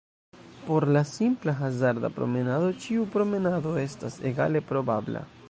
Por la simpla hazarda-promenado, ĉiu promenado estas egale probabla.